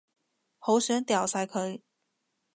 好想掉晒佢